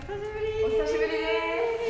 お久しぶりです。